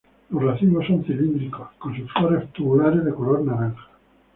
Los racimos son cilíndricos con sus flores tubulares de color naranja.